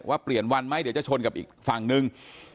เปลี่ยนวันไหมเดี๋ยวจะชนกับอีกฝั่งนึง